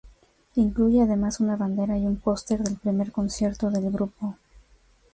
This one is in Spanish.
Incluye además una bandera y un póster del primer concierto del grupo.